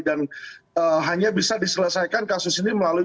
dan hanya bisa diselesaikan kasus ini melalui